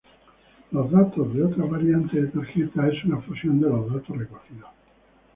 Los datos de otras variantes de tarjetas es una fusión de los datos recogidos.